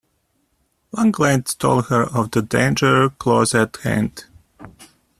One glance told her of the danger close at hand.